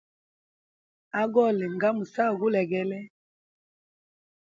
Agole nga musahu gulegele.